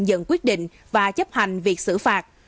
nhận quyết định và chấp hành việc xử phạt